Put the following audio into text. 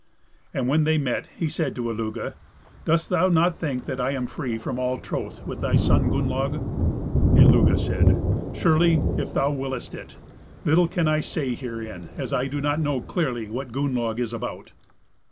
. And when they met, he said to Illugi, "Dost thou not think that I am free from all troth with thy son Gunnlaug?" Illugi said, "Surely, if thou wiliest it. Little can I say herein, as I do not know clearly what Gunnlaug is about."